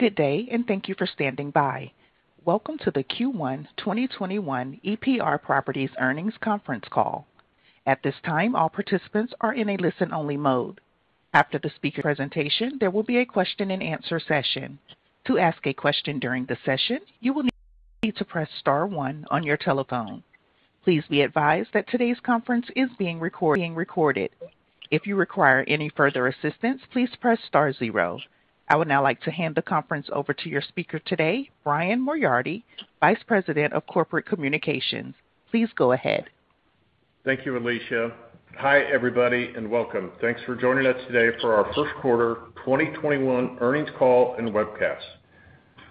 Good day, and thank you for standing by. Welcome to the Q1 2021 EPR Properties Earnings Conference Call. At this time, all participants are in a listen-only mode. After the speaker presentation, there will be a question and answer session. To ask a question during the session, you will need to press star one on your telephone. Please be advised that today's conference is being recorded. If you require any further assistance, please press star zero. I would now like to hand the conference over to your speaker today, Brian Moriarty, Vice President of Corporate Communications. Please go ahead. Thank you, Alicia. Hi everybody, and welcome. Thanks for joining us today for our first quarter 2021 earnings call and webcast.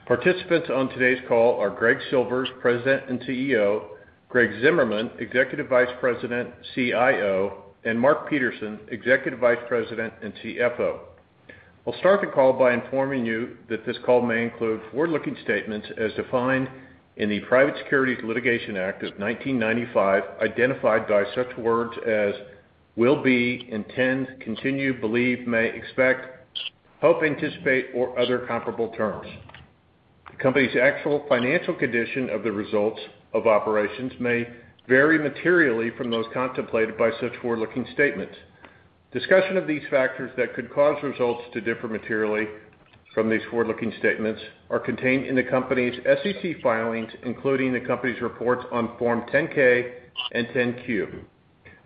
Participants on today's call are Greg Silvers, President and CEO, Greg Zimmerman, Executive Vice President, CIO, and Mark Peterson, Executive Vice President and CFO. I'll start the call by informing you that this call may include forward-looking statements as defined in the Private Securities Litigation Reform Act of 1995, identified by such words as will be, intend, continue, believe, may, expect, hope, anticipate, or other comparable terms. The company's actual financial condition of the results of operations may vary materially from those contemplated by such forward-looking statements. Discussion of these factors that could cause results to differ materially from these forward-looking statements are contained in the company's SEC filings, including the company's reports on Form 10-K and 10-Q.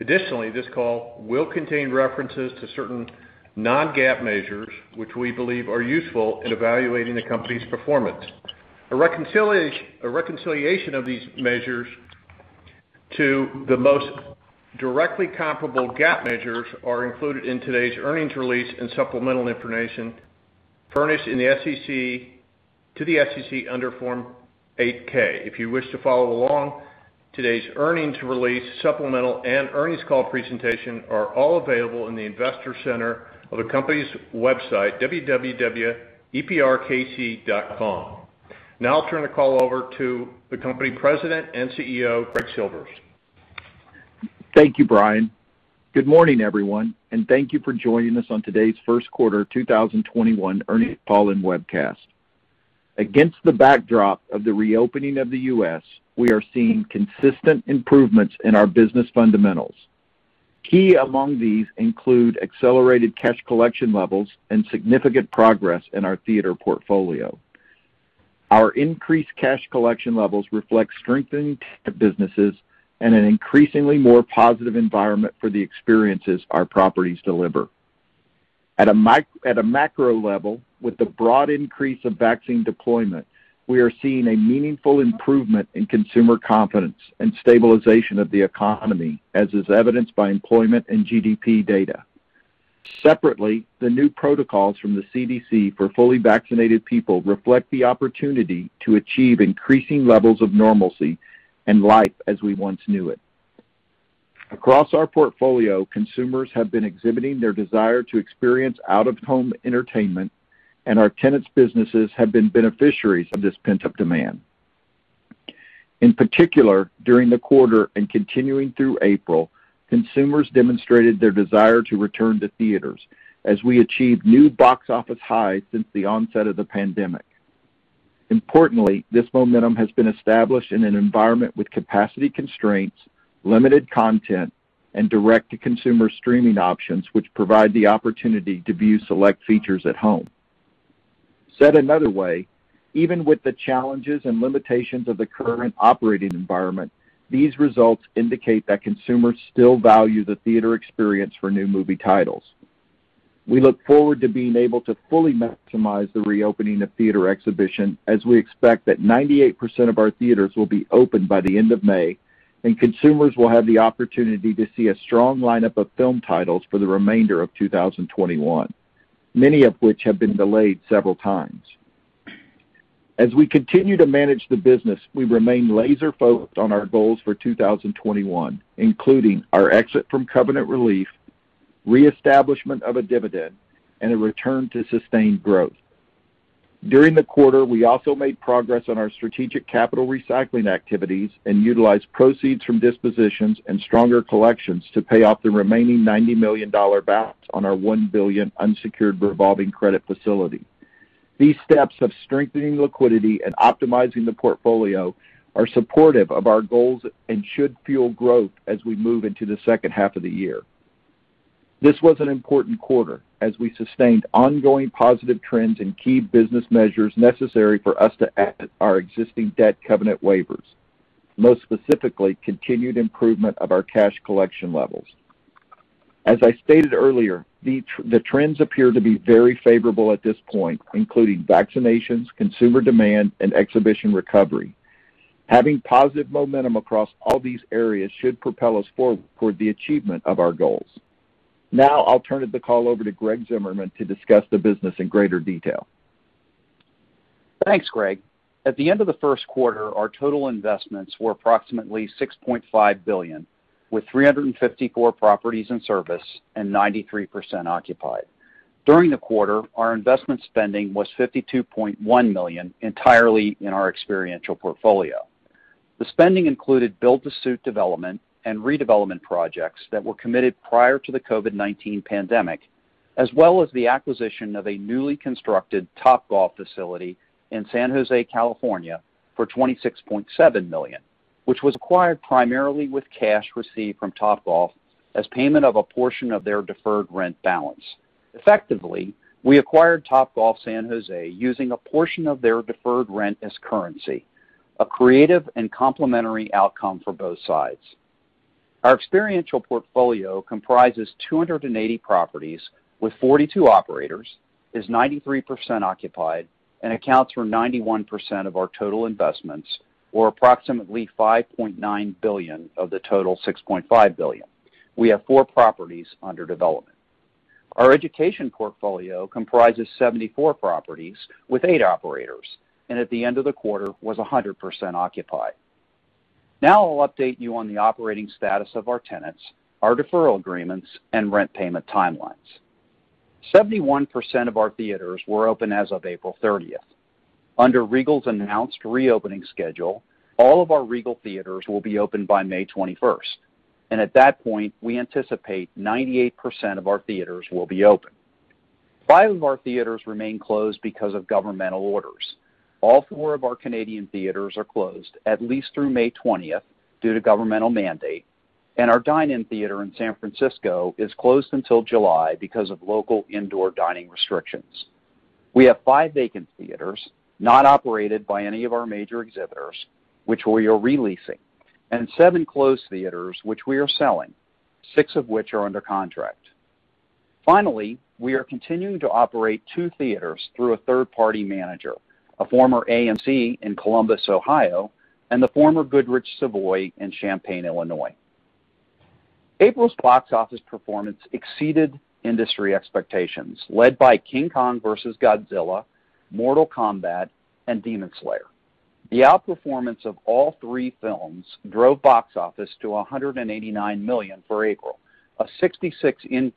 Additionally, this call will contain references to certain non-GAAP measures which we believe are useful in evaluating the company's performance. A reconciliation of these measures to the most directly comparable GAAP measures are included in today's earnings to re-lease and supplemental information furnished to the SEC under Form 8-K. If you wish to follow along, today's earnings to re-lease, supplemental, and earnings call presentation are all available in the investor center of the company's website, www.eprkc.com. Now I'll turn the call over to the company President and CEO, Greg Silvers. Thank you, Brian. Good morning, everyone, and thank you for joining us on today's first quarter 2021 earnings call and webcast. Against the backdrop of the reopening of the U.S., we are seeing consistent improvements in our business fundamentals. Key among these include accelerated cash collection levels and significant progress in our theater portfolio. Our increased cash collection levels reflect strengthening businesses and an increasingly more positive environment for the experiences our properties deliver. At a macro level, with the broad increase of vaccine deployment, we are seeing a meaningful improvement in consumer confidence and stabilization of the economy, as is evidenced by employment and GDP data. Separately, the new protocols from the CDC for fully vaccinated people reflect the opportunity to achieve increasing levels of normalcy and life as we once knew it. Across our portfolio, consumers have been exhibiting their desire to experience out-of-home entertainment, and our tenants' businesses have been beneficiaries of this pent-up demand. In particular, during the quarter and continuing through April, consumers demonstrated their desire to return to theaters as we achieved new box office highs since the onset of the pandemic. Importantly, this momentum has been established in an environment with capacity constraints, limited content, and direct-to-consumer streaming options, which provide the opportunity to view select features at home. Said another way, even with the challenges and limitations of the current operating environment, these results indicate that consumers still value the theater experience for new movie titles. We look forward to being able to fully maximize the reopening of theater exhibition, as we expect that 98% of our theaters will be open by the end of May, and consumers will have the opportunity to see a strong lineup of film titles for the remainder of 2021, many of which have been delayed several times. As we continue to manage the business, we remain laser-focused on our goals for 2021, including our exit from covenant relief, reestablishment of a dividend, and a return to sustained growth. During the quarter, we also made progress on our strategic capital recycling activities and utilized proceeds from dispositions and stronger collections to pay off the remaining $90 million balance on our $1 billion unsecured revolving credit facility. These steps of strengthening liquidity and optimizing the portfolio are supportive of our goals and should fuel growth as we move into the second half of the year. This was an important quarter as we sustained ongoing positive trends in key business measures necessary for us to exit our existing debt covenant waivers, most specifically, continued improvement of our cash collection levels. As I stated earlier, the trends appear to be very favorable at this point, including vaccinations, consumer demand, and exhibition recovery. Having positive momentum across all these areas should propel us forward toward the achievement of our goals. I'll turn the call over to Greg Zimmerman to discuss the business in greater detail. Thanks, Greg. At the end of the first quarter, our total investments were approximately $6.5 billion, with 354 properties in service and 93% occupied. During the quarter, our investment spending was $52.1 million, entirely in our experiential portfolio. The spending included build-to-suit development and redevelopment projects that were committed prior to the COVID-19 pandemic, as well as the acquisition of a newly constructed Topgolf facility in San Jose, California, for $26.7 million, which was acquired primarily with cash received from Topgolf as payment of a portion of their deferred rent balance. Effectively, we acquired Topgolf San Jose using a portion of their deferred rent as currency, a creative and complementary outcome for both sides. Our experiential portfolio comprises 280 properties with 42 operators, is 93% occupied, and accounts for 91% of our total investments, or approximately $5.9 billion of the total $6.5 billion. We have four properties under development. Our education portfolio comprises 74 properties with eight operators, and at the end of the quarter was 100% occupied. Now I'll update you on the operating status of our tenants, our deferral agreements, and rent payment timelines. 71% of our theaters were open as of April 30th. Under Regal's announced reopening schedule, all of our Regal theaters will be open by May 21st, and at that point, we anticipate 98% of our theaters will be open. Five of our theaters remain closed because of governmental orders. All four of our Canadian theaters are closed at least through May 20th due to governmental mandate, and our dine-in theater in San Francisco is closed until July because of local indoor dining restrictions. We have five vacant theaters not operated by any of our major exhibitors, which we are re-leasing, and seven closed theaters, which we are selling, six of which are under contract. Finally, we are continuing to operate two theaters through a third-party manager, a former AMC in Columbus, Ohio, and the former Goodrich Savoy in Champaign, Illinois. April's box office performance exceeded industry expectations led by Godzilla vs. Kong, Mortal Kombat, and Demon Slayer. The outperformance of all three films drove box office to $189 million for April, a 66%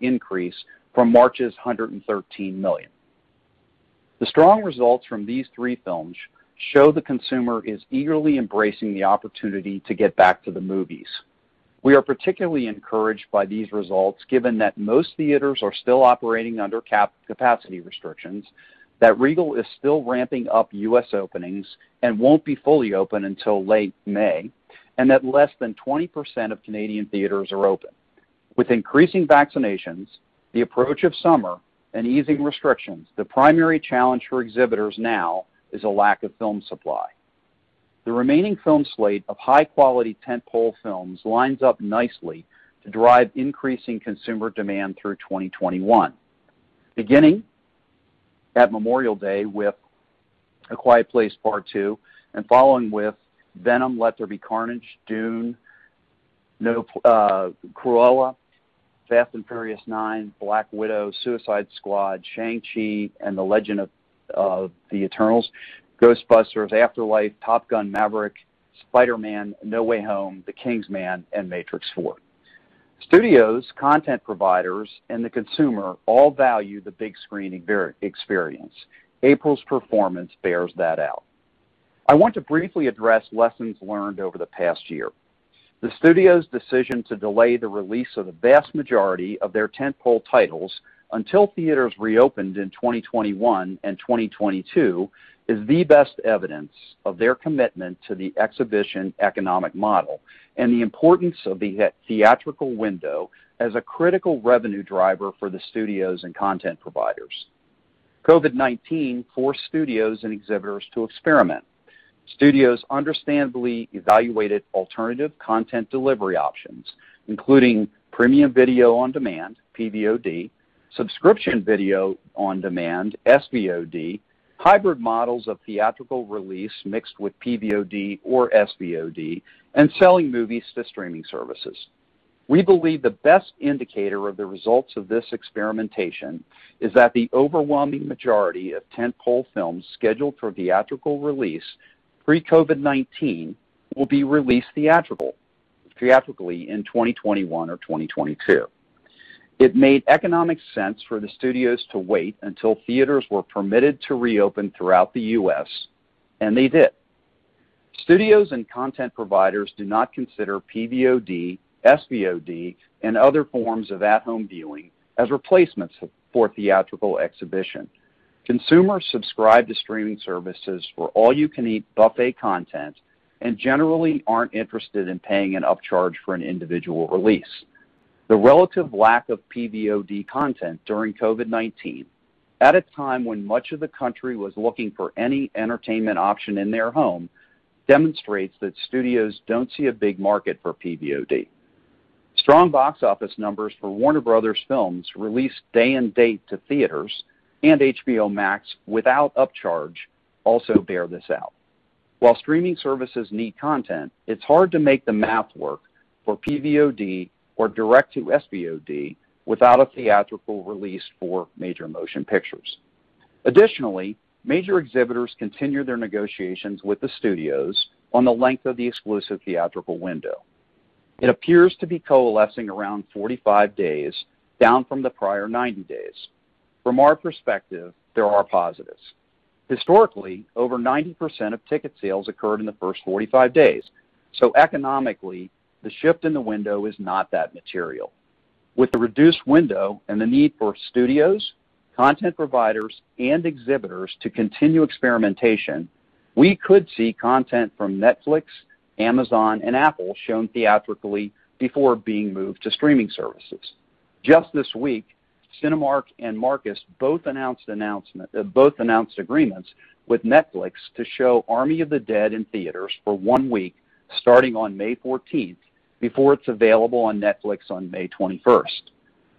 increase from March's $113 million. The strong results from these three films show the consumer is eagerly embracing the opportunity to get back to the movies. We are particularly encouraged by these results given that most theaters are still operating under capacity restrictions, that Regal is still ramping up U.S. openings and won't be fully open until late May, and that less than 20% of Canadian theaters are open. With increasing vaccinations, the approach of summer, and easing restrictions, the primary challenge for exhibitors now is a lack of film supply. The remaining film slate of high-quality tent-pole films lines up nicely to drive increasing consumer demand through 2021. Beginning at Memorial Day with A Quiet Place Part II and following with Venom: Let There Be Carnage, Dune, Cruella, Fast & Furious 9, Black Widow, The Suicide Squad, Shang-Chi and the Legend of the Ten Rings, Ghostbusters: Afterlife, Top Gun: Maverick, Spider-Man: No Way Home, The King's Man, and The Matrix Resurrections. Studios, content providers, and the consumer all value the big screen experience. April's performance bears that out. I want to briefly address lessons learned over the past year. The studio's decision to delay the release of the vast majority of their tent-pole titles until theaters reopened in 2021 and 2022 is the best evidence of their commitment to the exhibition economic model and the importance of the theatrical window as a critical revenue driver for the studios and content providers. COVID-19 forced studios and exhibitors to experiment. Studios understandably evaluated alternative content delivery options, including premium video on demand, PVOD, subscription video on demand, SVOD, hybrid models of theatrical release mixed with PVOD or SVOD, and selling movies to streaming services. We believe the best indicator of the results of this experimentation is that the overwhelming majority of tent-pole films scheduled for theatrical release pre-COVID-19 will be released theatrically in 2021 or 2022. It made economic sense for the studios to wait until theaters were permitted to reopen throughout the U.S., and they did. Studios and content providers do not consider PVOD, SVOD, and other forms of at-home viewing as replacements for theatrical exhibition. Consumers subscribe to streaming services for all-you-can-eat buffet content and generally aren't interested in paying an upcharge for an individual release. The relative lack of PVOD content during COVID-19, at a time when much of the country was looking for any entertainment option in their home, demonstrates that studios don't see a big market for PVOD. Strong box office numbers for Warner Bros. Films released day and date to theaters and HBO Max without upcharge also bear this out. While streaming services need content, it's hard to make the math work for PVOD or direct-to-SVOD without a theatrical release for major motion pictures. Major exhibitors continue their negotiations with the studios on the length of the exclusive theatrical window. It appears to be coalescing around 45 days, down from the prior 90 days. From our perspective, there are positives. Historically, over 90% of ticket sales occurred in the first 45 days. Economically, the shift in the window is not that material. With the reduced window and the need for studios, content providers, and exhibitors to continue experimentation, we could see content from Netflix, Amazon, and Apple shown theatrically before being moved to streaming services. Just this week, Cinemark and Marcus both announced agreements with Netflix to show "Army of the Dead" in theaters for one week starting on May 14th, before it's available on Netflix on May 21st.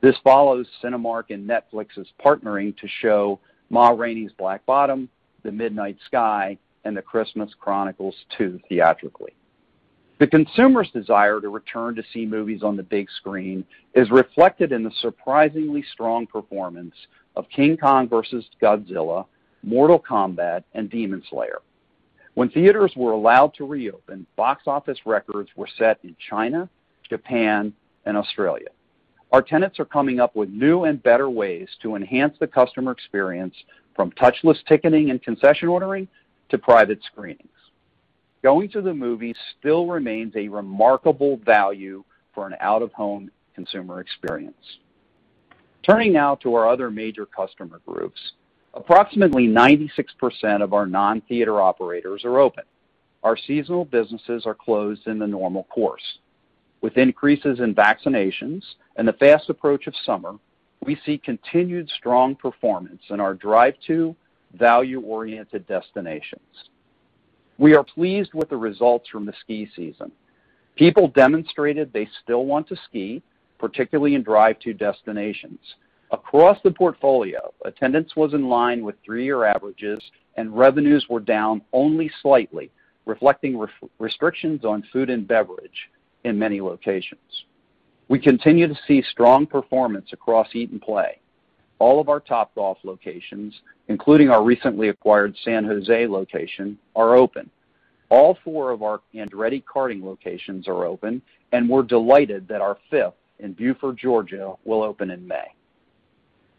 This follows Cinemark and Netflix's partnering to show "Ma Rainey's Black Bottom," "The Midnight Sky," and "The Christmas Chronicles 2" theatrically. The consumer's desire to return to see movies on the big screen is reflected in the surprisingly strong performance of "Godzilla vs. Kong," "Mortal Kombat," and "Demon Slayer." When theaters were allowed to reopen, box office records were set in China, Japan, and Australia. Our tenants are coming up with new and better ways to enhance the customer experience from touchless ticketing and concession ordering to private screenings. Going to the movies still remains a remarkable value for an out-of-home consumer experience. Turning now to our other major customer groups. Approximately 96% of our non-theater operators are open. Our seasonal businesses are closed in the normal course. With increases in vaccinations and the fast approach of summer, we see continued strong performance in our drive-to value-oriented destinations. We are pleased with the results from the ski season. People demonstrated they still want to ski, particularly in drive-to destinations. Across the portfolio, attendance was in line with three-year averages and revenues were down only slightly, reflecting restrictions on food and beverage in many locations. We continue to see strong performance across Eat and Play. All of our Topgolf locations, including our recently acquired San Jose location, are open. All four of our Andretti Karting locations are open, and we're delighted that our fifth in Buford, Georgia, will open in May.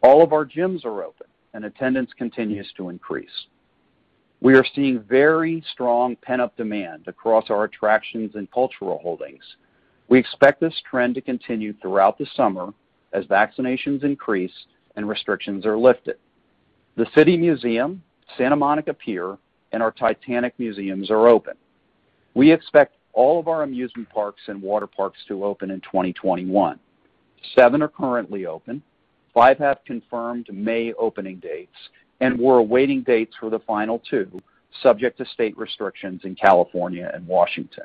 All of our gyms are open and attendance continues to increase. We are seeing very strong pent-up demand across our attractions and cultural holdings. We expect this trend to continue throughout the summer as vaccinations increase and restrictions are lifted. The City Museum, Santa Monica Pier, and our Titanic museums are open. We expect all of our amusement parks and water parks to open in 2021. Seven are currently open, five have confirmed May opening dates, and we're awaiting dates for the final two, subject to state restrictions in California and Washington.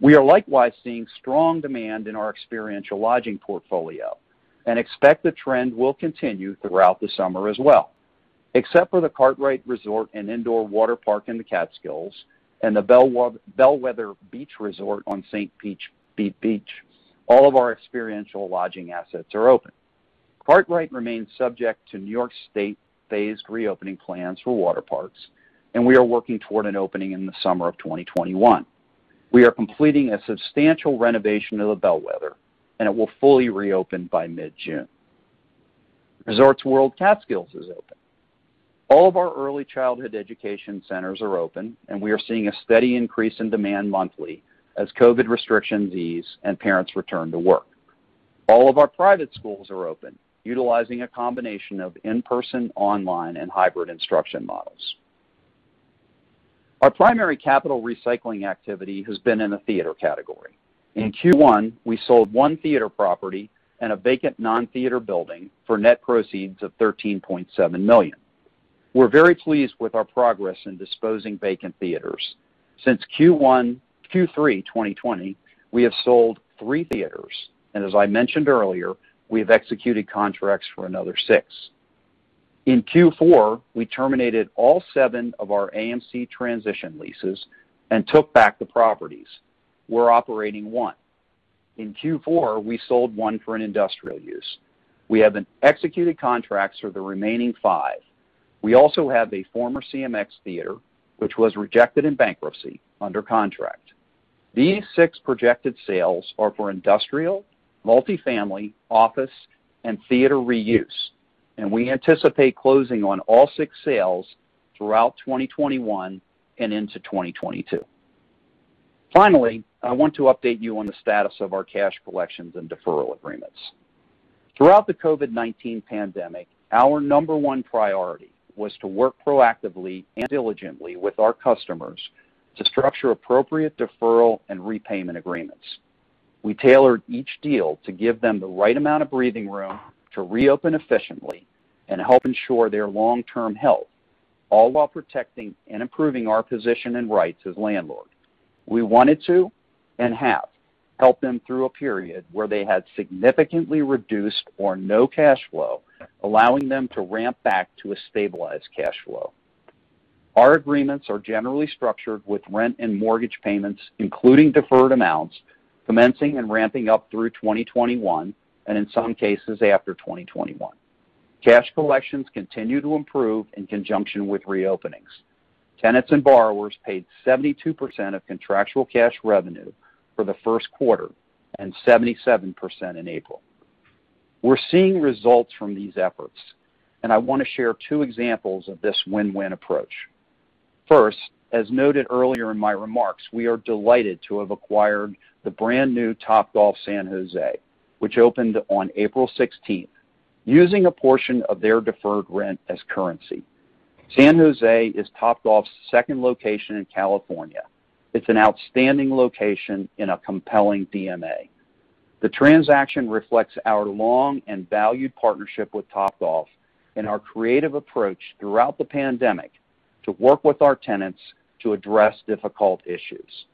We are likewise seeing strong demand in our experiential lodging portfolio and expect the trend will continue throughout the summer as well. Except for The Kartrite Resort & Indoor Waterpark in the Catskills and the Bellwether Beach Resort on St. Pete Beach, all of our experiential lodging assets are open. The Kartrite remains subject to New York State phased reopening plans for water parks, and we are working toward an opening in the summer of 2021. We are completing a substantial renovation of the Bellwether, and it will fully reopen by mid-June. Resorts World Catskills is open. All of our early childhood education centers are open, and we are seeing a steady increase in demand monthly as COVID-19 restrictions ease and parents return to work. All of our private schools are open, utilizing a combination of in-person, online, and hybrid instruction models. Our primary capital recycling activity has been in the theater category. In Q1, we sold one theater property and a vacant non-theater building for net proceeds of $13.7 million. We're very pleased with our progress in disposing vacant theaters. Since Q3 2020, we have sold three theaters, and as I mentioned earlier, we've executed contracts for another six. In Q4, we terminated all seven of our AMC transition leases and took back the properties. We're operating one. In Q4, we sold one for an industrial use. We have executed contracts for the remaining five. We also have a former CMX theater, which was rejected in bankruptcy, under contract. These six projected sales are for industrial, multifamily, office, and theater reuse, and we anticipate closing on all six sales throughout 2021 and into 2022. Finally, I want to update you on the status of our cash collections and deferral agreements. Throughout the COVID-19 pandemic, our number one priority was to work proactively and diligently with our customers to structure appropriate deferral and repayment agreements. We tailored each deal to give them the right amount of breathing room to reopen efficiently and help ensure their long-term health, all while protecting and improving our position and rights as landlord. We wanted to, and have, helped them through a period where they had significantly reduced or no cash flow, allowing them to ramp back to a stabilized cash flow. Our agreements are generally structured with rent and mortgage payments, including deferred amounts, commencing and ramping up through 2021, and in some cases, after 2021. Cash collections continue to improve in conjunction with reopenings. Tenants and borrowers paid 72% of contractual cash revenue for the first quarter and 77% in April. We're seeing results from these efforts, and I want to share two examples of this win-win approach. First, as noted earlier in my remarks, we are delighted to have acquired the brand new Topgolf San Jose, which opened on April 16th, using a portion of their deferred rent as currency. San Jose is Topgolf's second location in California. It's an outstanding location in a compelling DMA. The transaction reflects our long and valued partnership with Topgolf and our creative approach throughout the pandemic to work with our tenants to address difficult issues.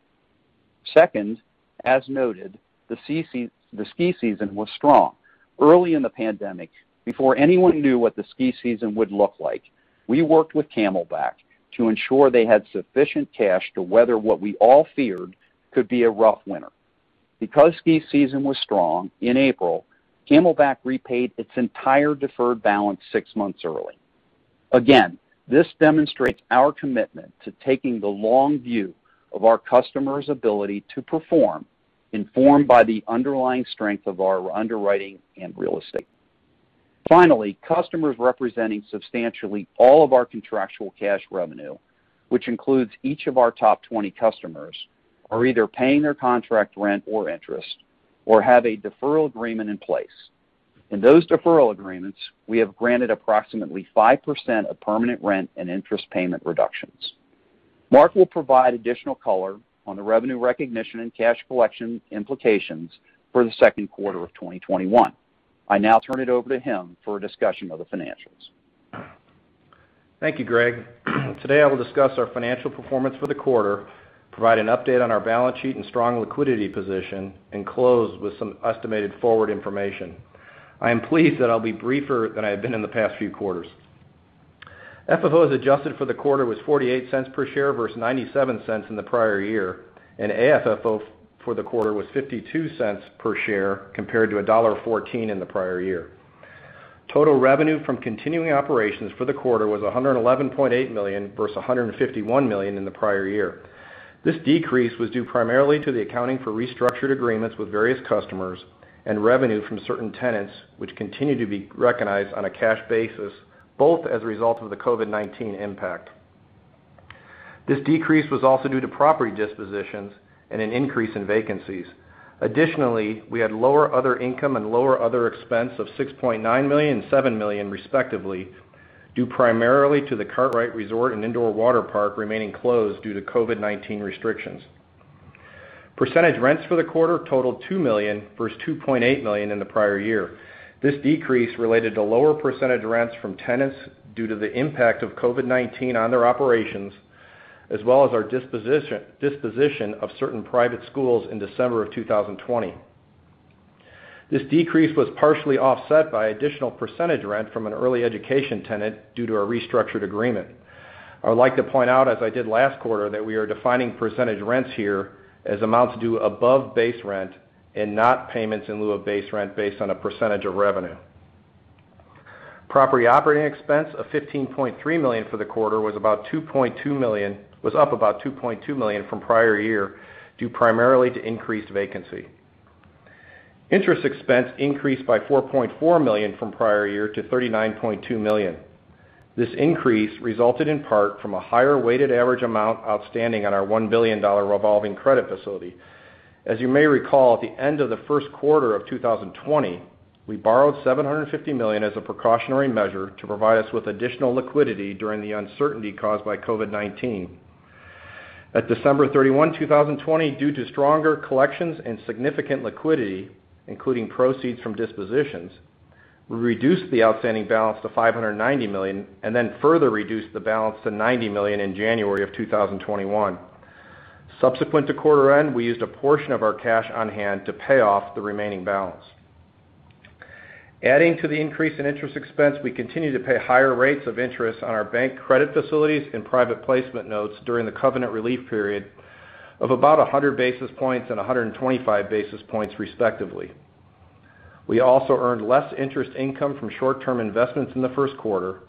Second, as noted, the ski season was strong. Early in the pandemic, before anyone knew what the ski season would look like, we worked with Camelback to ensure they had sufficient cash to weather what we all feared could be a rough winter. Because ski season was strong, in April, Camelback repaid its entire deferred balance six months early. Again, this demonstrates our commitment to taking the long view of our customers' ability to perform, informed by the underlying strength of our underwriting and real estate. Finally, customers representing substantially all of our contractual cash revenue, which includes each of our top 20 customers, are either paying their contract rent or interest, or have a deferral agreement in place. In those deferral agreements, we have granted approximately 5% of permanent rent and interest payment reductions. Mark will provide additional color on the revenue recognition and cash collection implications for the second quarter of 2021. I now turn it over to him for a discussion of the financials. Thank you, Greg. Today, I will discuss our financial performance for the quarter, provide an update on our balance sheet and strong liquidity position, and close with some estimated forward information. I am pleased that I'll be briefer than I have been in the past few quarters. FFO as adjusted for the quarter was $0.48 per share versus $0.97 in the prior year, and AFFO for the quarter was $0.52 per share compared to $1.14 in the prior year. Total revenue from continuing operations for the quarter was $111.8 million, versus $151 million in the prior year. This decrease was due primarily to the accounting for restructured agreements with various customers and revenue from certain tenants, which continue to be recognized on a cash basis, both as a result of the COVID-19 impact. This decrease was also due to property dispositions and an increase in vacancies. Additionally, we had lower other income and lower other expense of $6.9 million and $7 million respectively, due primarily to the Kartrite Resort and indoor waterpark remaining closed due to COVID-19 restrictions. Percentage rents for the quarter totaled $2 million versus $2.8 million in the prior year. This decrease related to lower percentage rents from tenants due to the impact of COVID-19 on their operations, as well as our disposition of certain private schools in December of 2020. This decrease was partially offset by additional percentage rent from an early education tenant due to a restructured agreement. I would like to point out, as I did last quarter, that we are defining percentage rents here as amounts due above base rent and not payments in lieu of base rent based on a percentage of revenue. Property operating expense of $15.3 million for the quarter was up about $2.2 million from prior year, due primarily to increased vacancy. Interest expense increased by $4.4 million from prior year to $39.2 million. This increase resulted in part from a higher weighted average amount outstanding on our $1 billion revolving credit facility. As you may recall, at the end of the first quarter of 2020, we borrowed $750 million as a precautionary measure to provide us with additional liquidity during the uncertainty caused by COVID-19. At December 31, 2020, due to stronger collections and significant liquidity, including proceeds from dispositions, we reduced the outstanding balance to $590 million and then further reduced the balance to $90 million in January of 2021. Subsequent to quarter end, we used a portion of our cash on hand to pay off the remaining balance. Adding to the increase in interest expense, we continue to pay higher rates of interest on our bank credit facilities and private placement notes during the covenant relief period of about 100 basis points and 125 basis points respectively. We also earned last interest income from short term investment in the first quarter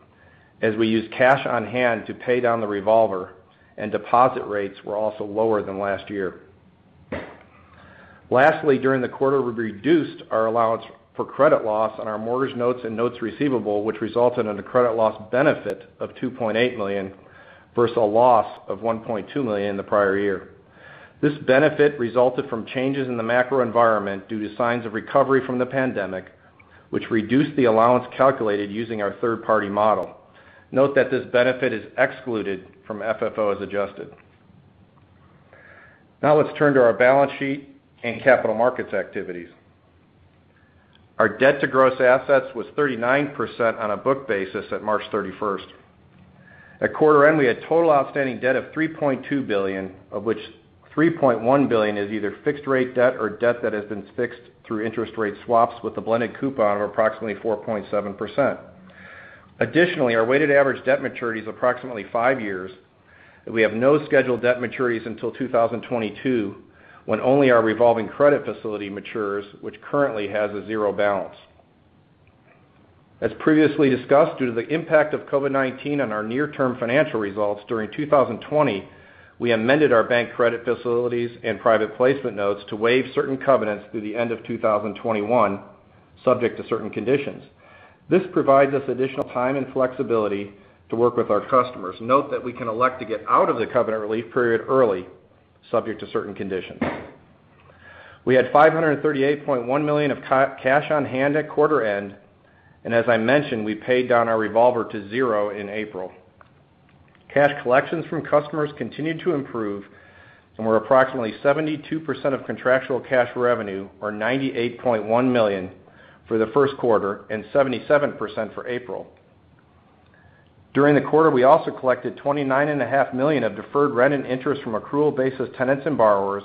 as we used cash on hand to pay down the revolver. Deposit rates were also lower than last year. Lastly, during the quarter, we reduced our allowance for credit loss on our mortgage notes and notes receivable, which resulted in a credit loss benefit of $2.8 million versus a loss of $1.2 million in the prior year. This benefit resulted from changes in the macro environment due to signs of recovery from the pandemic, which reduced the allowance calculated using our third-party model. Note that this benefit is excluded from FFO as adjusted. Now let's turn to our balance sheet and capital markets activities. Our debt to gross assets was 39% on a book basis at March 31st. At quarter end, we had total outstanding debt of $3.2 billion, of which $3.1 billion is either fixed rate debt or debt that has been fixed through interest rate swaps with a blended coupon of approximately 4.7%. Additionally, our weighted average debt maturity is approximately five years, and we have no scheduled debt maturities until 2022, when only our revolving credit facility matures, which currently has a zero balance. As previously discussed, due to the impact of COVID-19 on our near-term financial results during 2020, we amended our bank credit facilities and private placement notes to waive certain covenants through the end of 2021, subject to certain conditions. This provides us additional time and flexibility to work with our customers. Note that we can elect to get out of the covenant relief period early, subject to certain conditions. We had $538.1 million of cash on hand at quarter end, and as I mentioned, we paid down our revolver to 0 in April. Cash collections from customers continued to improve and were approximately 72% of contractual cash revenue, or $98.1 million for the first quarter and 77% for April. During the quarter, we also collected $29.5 million of deferred rent and interest from accrual basis tenants and borrowers,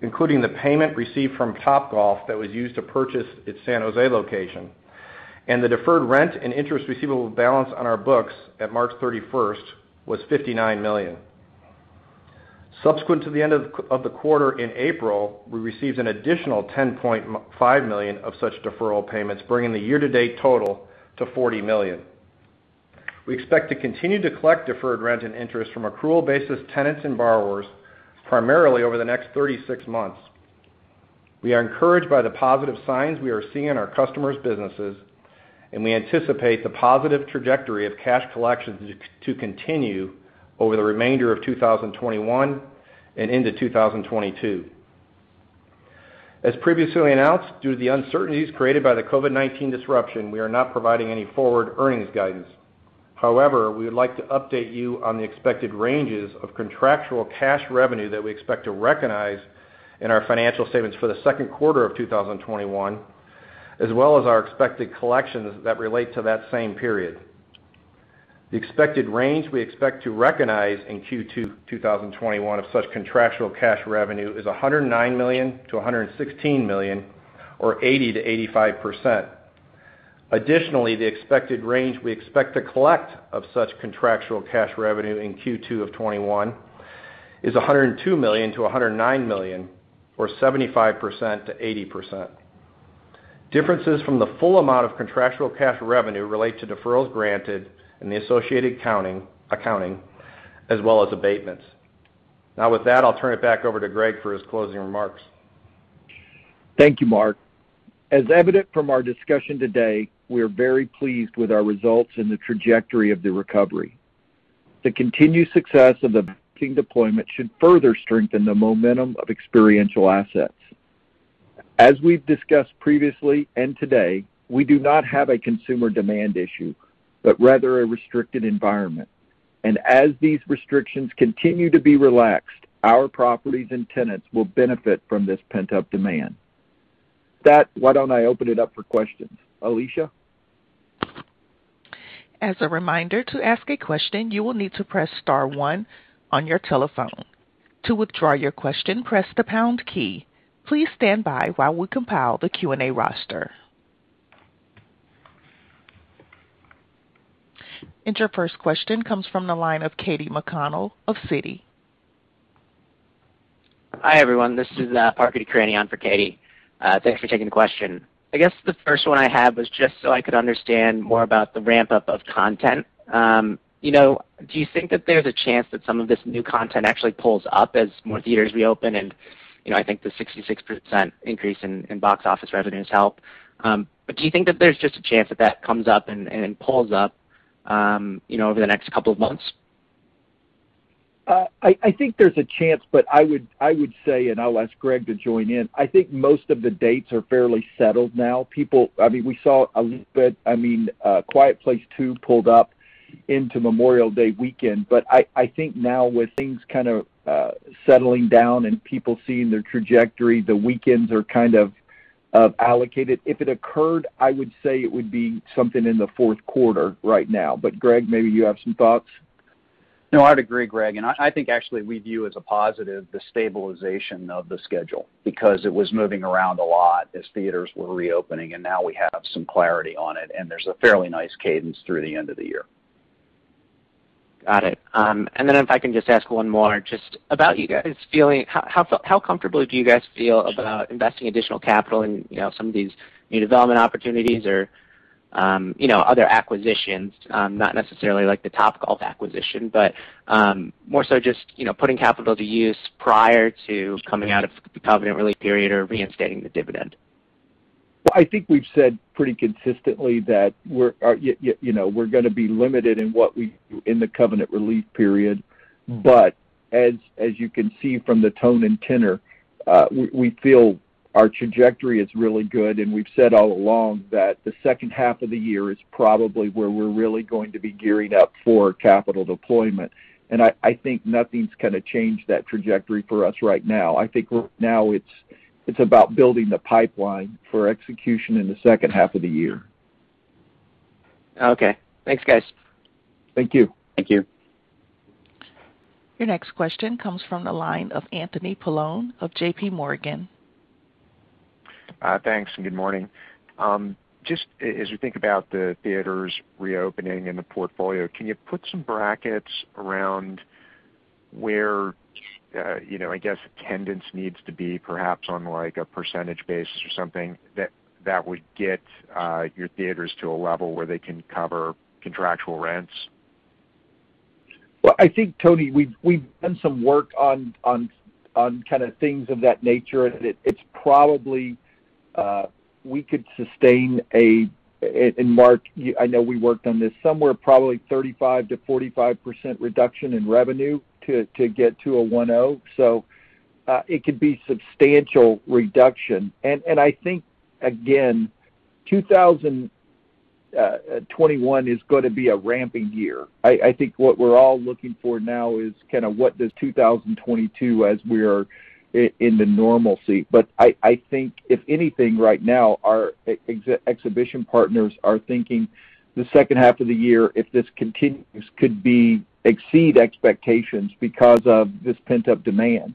including the payment received from Topgolf that was used to purchase its San Jose location. The deferred rent and interest receivable balance on our books at March 31st was $59 million. Subsequent to the end of the quarter in April, we received an additional $10.5 million of such deferral payments, bringing the year-to-date total to $40 million. We expect to continue to collect deferred rent and interest from accrual basis tenants and borrowers, primarily over the next 36 months. We are encouraged by the positive signs we are seeing in our customers' businesses, and we anticipate the positive trajectory of cash collections to continue over the remainder of 2021 and into 2022. As previously announced, due to the uncertainties created by the COVID-19 disruption, we are not providing any forward earnings guidance. However, we would like to update you on the expected ranges of contractual cash revenue that we expect to recognize in our financial statements for the second quarter of 2021, as well as our expected collections that relate to that same period. The expected range we expect to recognize in Q2 2021 of such contractual cash revenue is $109 million-$116 million, or 80%-85%. Additionally, the expected range we expect to collect of such contractual cash revenue in Q2 of 2021 is $102 million-$109 million, or 75%-80%. Differences from the full amount of contractual cash revenue relate to deferrals granted and the associated accounting, as well as abatements. With that, I'll turn it back over to Greg for his closing remarks. Thank you, Mark. As evident from our discussion today, we are very pleased with our results and the trajectory of the recovery. The continued success of the vaccine deployment should further strengthen the momentum of experiential assets. As we've discussed previously and today, we do not have a consumer demand issue, but rather a restricted environment. As these restrictions continue to be relaxed, our properties and tenants will benefit from this pent-up demand. With that, why don't I open it up for questions. Alicia? As a reminder, to ask a question, you will need to press star one on your telephone. To withdraw your question, press the pound key. Please stand by while we compile the Q&A roster. Your first question comes from the line of Katy McConnell of Citi. Hi, everyone. This is Upal Rana on for Katy. Thanks for taking the question. I guess the first one I had was just so I could understand more about the ramp-up of content. Do you think that there's a chance that some of this new content actually pulls up as more theaters reopen? I think the 66% increase in box office revenues help. Do you think that there's just a chance that that comes up and pulls up over the next couple of months? I think there's a chance, but I would say, and I'll ask Greg to join in, I think most of the dates are fairly settled now. We saw a little bit, A Quiet Place Part II pulled up into Memorial Day weekend. I think now with things kind of settling down and people seeing their trajectory, the weekends are kind of allocated. If it occurred, I would say it would be something in the fourth quarter right now. Greg, maybe you have some thoughts. No, I'd agree, Greg. I think actually we view as a positive the stabilization of the schedule because it was moving around a lot as theaters were reopening, and now we have some clarity on it, and there's a fairly nice cadence through the end of the year. Got it. If I can just ask one more, just about you guys feeling. How comfortable do you guys feel about investing additional capital in some of these new development opportunities or other acquisitions? Not necessarily like the Topgolf acquisition, more so just putting capital to use prior to coming out of the covenant relief period or reinstating the dividend. Well, I think we've said pretty consistently that we're going to be limited in the covenant relief period. As you can see from the tone and tenor, we feel our trajectory is really good, and we've said all along that the second half of the year is probably where we're really going to be gearing up for capital deployment. I think nothing's kind of changed that trajectory for us right now. I think now it's about building the pipeline for execution in the second half of the year. Okay. Thanks, guys. Thank you. Thank you. Your next question comes from the line of Anthony Paolone of JPMorgan. Thanks. Good morning. Just as we think about the theaters reopening in the portfolio, can you put some brackets around where, I guess attendance needs to be perhaps on a percentage basis or something that would get your theaters to a level where they can cover contractual rents? Well, I think, Tony, we've done some work on things of that nature. It's probably, we could sustain a, and Mark, I know we worked on this, somewhere probably 35%-45% reduction in revenue to get to a 1.0. It could be substantial reduction. I think, again, 2021 is going to be a ramping year. I think what we're all looking for now is what does 2022 as we are in the normalcy. I think if anything right now, our exhibition partners are thinking the second half of the year, if this continues, could exceed expectations because of this pent-up demand.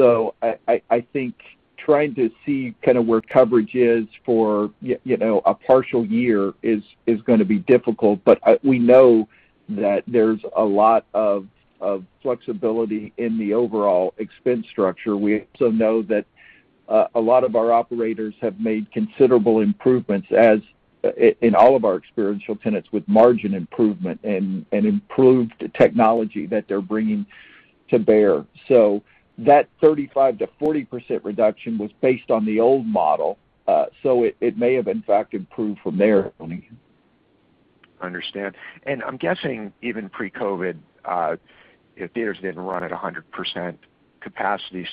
I think trying to see where coverage is for a partial year is going to be difficult. We know that there's a lot of flexibility in the overall expense structure. We also know that a lot of our operators have made considerable improvements as in all of our experiential tenants with margin improvement and improved technology that they're bringing to bear. That 35%-40% reduction was based on the old model. It may have, in fact, improved from there, Tony. I understand. I'm guessing even pre-COVID, theaters didn't run at 100% capacity.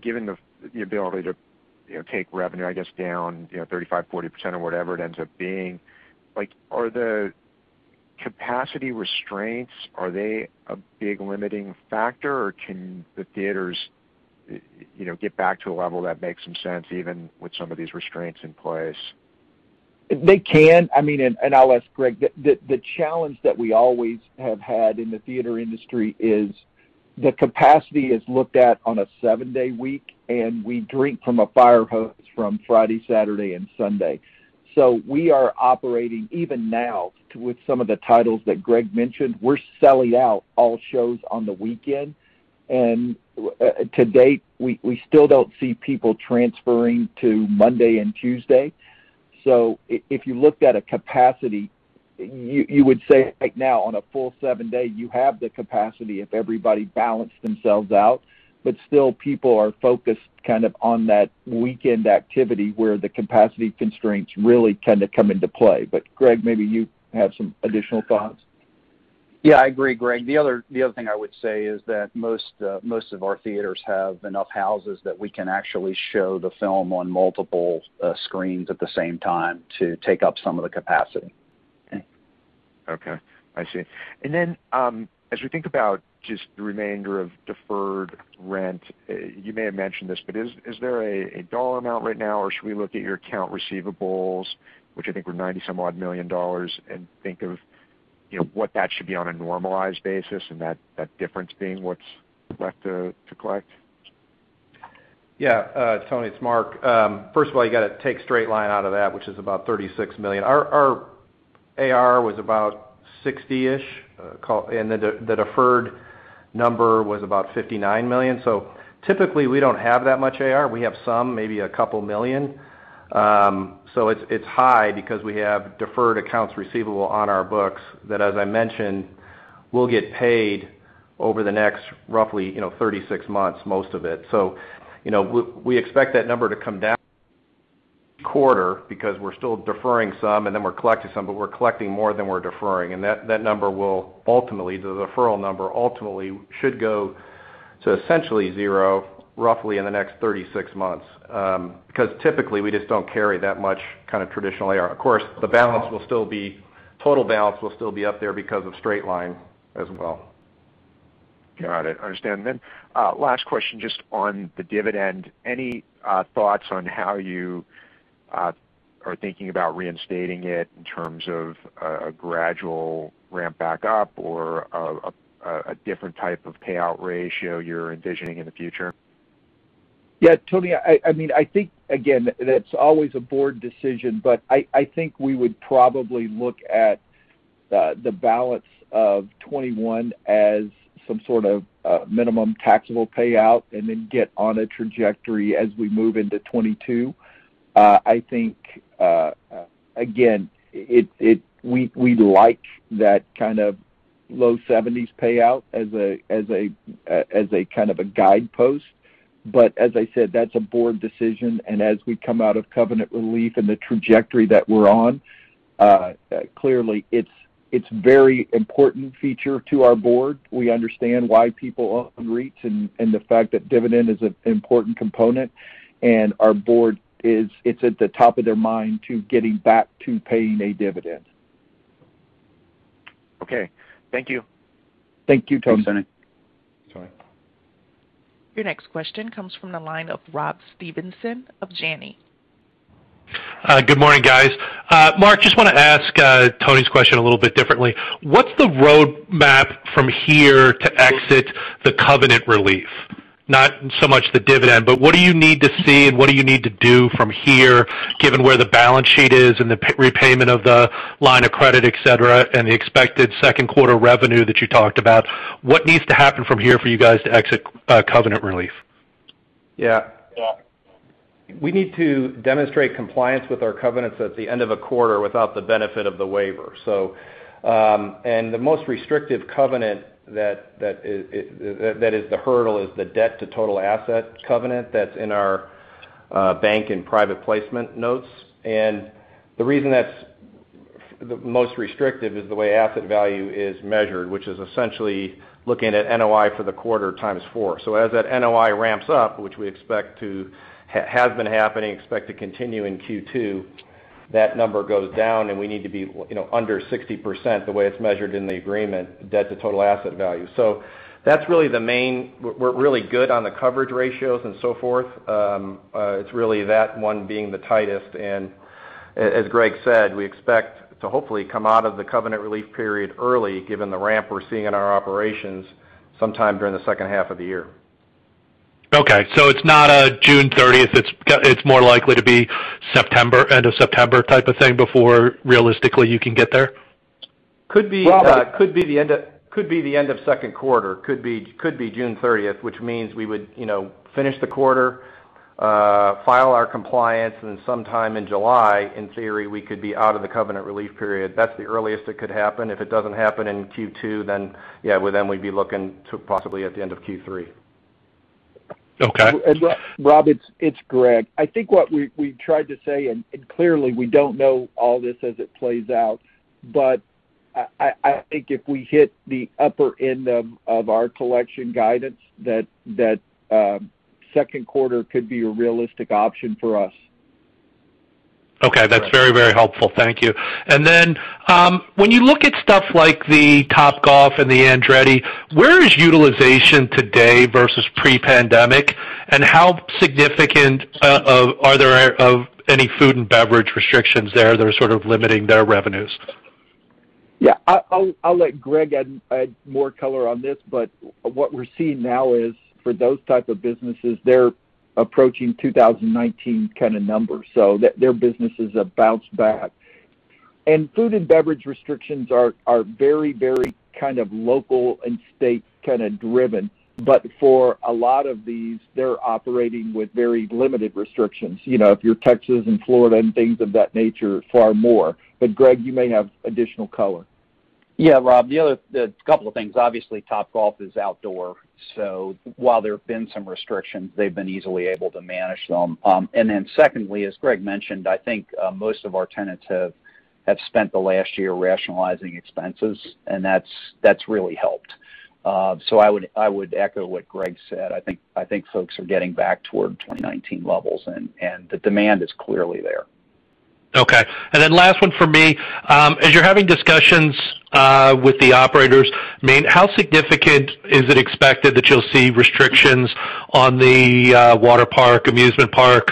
Given the ability to take revenue, I guess down, 35%-40% or whatever it ends up being, are the capacity restraints, are they a big limiting factor, or can the theaters get back to a level that makes some sense even with some of these restraints in place? They can. I'll ask Greg, the challenge that we always have had in the theater industry is the capacity is looked at on a seven-day week, and we drink from a fire hose from Friday, Saturday, and Sunday. We are operating even now with some of the titles that Greg mentioned. We're selling out all shows on the weekend. To date, we still don't see people transferring to Monday and Tuesday. If you looked at a capacity, you would say right now on a full seven-day, you have the capacity if everybody balanced themselves out. Still people are focused on that weekend activity where the capacity constraints really tend to come into play. Greg, maybe you have some additional thoughts. Yeah, I agree, Greg. The other thing I would say is that most of our theaters have enough houses that we can actually show the film on multiple screens at the same time to take up some of the capacity. Okay. I see. As we think about just the remainder of deferred rent, you may have mentioned this, but is there a dollar amount right now, or should we look at your account receivables, which I think were $90 some odd million and think of what that should be on a normalized basis and that difference being what's left to collect? Yeah. Anthony, it's Mark. First of all, you got to take straight line out of that, which is about $36 million. Our AR was about 60-ish, and the deferred number was about $59 million. Typically, we don't have that much AR. We have some, maybe a couple million. It's high because we have deferred accounts receivable on our books that, as I mentioned, will get paid over the next roughly 36 months, most of it. We expect that number to come down quarter because we're still deferring some and then we're collecting some, but we're collecting more than we're deferring. That number will ultimately, the deferral number ultimately should go to essentially zero roughly in the next 36 months. Because typically, we just don't carry that much kind of traditional AR. Of course, total balance will still be up there because of straight line as well. Got it. Understand. Last question, just on the dividend. Any thoughts on how you are thinking about reinstating it in terms of a gradual ramp back up or a different type of payout ratio you're envisioning in the future? Tony, I think, again, that's always a Board decision, but I think we would probably look at the balance of 2021 as some sort of minimum taxable payout and then get on a trajectory as we move into 2022. I think, again, we like that kind of low 70s payout as a kind of a guidepost. As I said, that's a Board decision. As we come out of covenant relief and the trajectory that we're on, clearly it's very important feature to our Board. We understand why people own REITs and the fact that dividend is an important component. Our Board is at the top of their mind to getting back to paying a dividend. Okay. Thank you. Thank you, Tony. Thanks, Tony. Tony. Your next question comes from the line of Rob Stevenson of Janney. Good morning, guys. Mark, just want to ask Tony's question a little bit differently. What's the roadmap from here to exit the covenant relief? Not so much the dividend, but what do you need to see and what do you need to do from here, given where the balance sheet is and the repayment of the line of credit, et cetera, and the expected second quarter revenue that you talked about. What needs to happen from here for you guys to exit covenant relief? We need to demonstrate compliance with our covenants at the end of a quarter without the benefit of the waiver. The most restrictive covenant that is the hurdle is the debt to total asset covenant that's in our bank and private placement notes. The reason that's the most restrictive is the way asset value is measured, which is essentially looking at NOI for the quarter times four. As that NOI ramps up, which has been happening, expect to continue in Q2, that number goes down and we need to be under 60% the way it's measured in the agreement, debt to total asset value. We're really good on the coverage ratios and so forth. It's really that one being the tightest. As Greg said, we expect to hopefully come out of the covenant relief period early, given the ramp we're seeing in our operations, sometime during the second half of the year. Okay, it's not a June 30th. It's more likely to be end of September type of thing before realistically you can get there? Could be- Rob. Could be the end of second quarter, could be June 30th. We would finish the quarter, file our compliance, then sometime in July, in theory, we could be out of the covenant relief period. That's the earliest it could happen. If it doesn't happen in Q2, yeah, well, then we'd be looking to possibly at the end of Q3. Okay. Rob, it's Greg. I think what we tried to say, and clearly we don't know all this as it plays out, but I think if we hit the upper end of our collection guidance, that second quarter could be a realistic option for us. Okay. That's very, very helpful. Thank you. When you look at stuff like the Topgolf and the Andretti, where is utilization today versus pre-pandemic? How significant are there of any food and beverage restrictions there that are sort of limiting their revenues? Yeah, I'll let Greg add more color on this, but what we're seeing now is for those type of businesses, they're approaching 2019 kind of numbers. Their businesses have bounced back. Food and beverage restrictions are very local and state kind of driven. For a lot of these, they're operating with very limited restrictions. If you're Texas and Florida and things of that nature, far more. Greg, you may have additional color. Yeah, Rob. A couple of things. Obviously, Topgolf is outdoor, so while there have been some restrictions, they've been easily able to manage them. Secondly, as Greg mentioned, I think most of our tenants have spent the last year rationalizing expenses, and that's really helped. I would echo what Greg said. I think folks are getting back toward 2019 levels, and the demand is clearly there. Okay. Last one from me. As you're having discussions with the operators, how significant is it expected that you'll see restrictions on the waterpark, amusement park,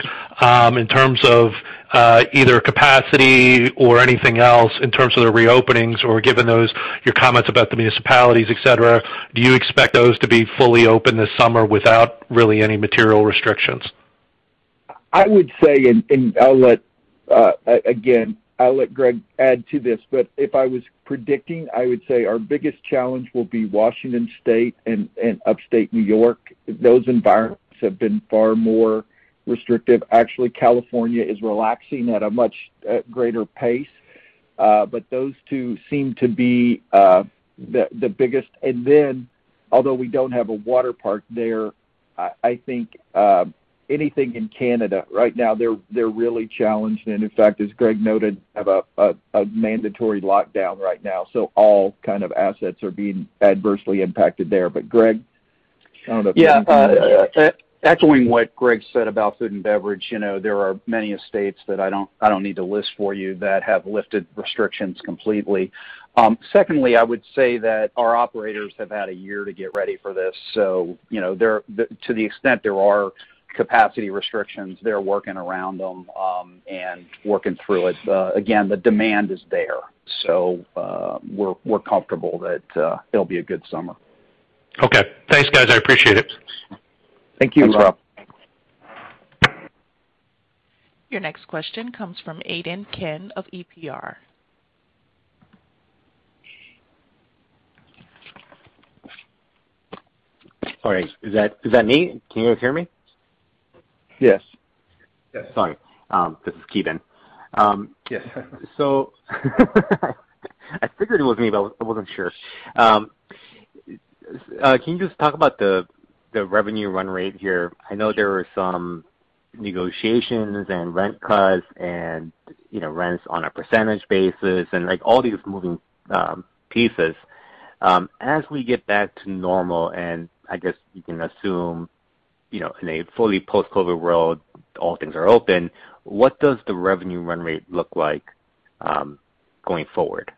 in terms of either capacity or anything else in terms of the reopenings? Given your comments about the municipalities, et cetera, do you expect those to be fully open this summer without really any material restrictions? I would say, and, again, I'll let Greg add to this, but if I was predicting, I would say our biggest challenge will be Washington State and Upstate New York. Those environments have been far more restrictive. Actually, California is relaxing at a much greater pace. Those two seem to be the biggest. Although we don't have a water park there, I think anything in Canada right now, they're really challenged. In fact, as Greg noted, have a mandatory lockdown right now. All kind of assets are being adversely impacted there. Greg, I don't know if you can. Yeah. Echoing what Greg said about food and beverage, there are many states that I don't need to list for you that have lifted restrictions completely. Secondly, I would say that our operators have had a year to get ready for this. To the extent there are capacity restrictions, they're working around them, and working through it. Again, the demand is there, so, we're comfortable that it'll be a good summer. Okay. Thanks, guys. I appreciate it. Thank you. Thanks, Rob. Thanks. Your next question comes from Ki Bin Kim of EPR. Sorry, is that me? Can you guys hear me? Yes. Yes. Sorry. This is Ki Bin. Yes. I figured it was me, but I wasn't sure. Can you just talk about the revenue run rate here? I know there were some negotiations and rent cuts and rents on a percentage basis and all these moving pieces. As we get back to normal, and I guess we can assume in a fully post-COVID world, all things are open, what does the revenue run rate look like going forward?